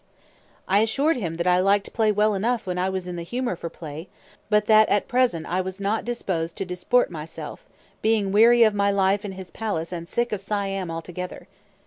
I assured him that I liked play well enough when I was in the humor for play; but that at present I was not disposed to disport myself, being weary of my life in his palace, and sick of Siam altogether.